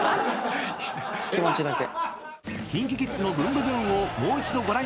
気持ちだけ。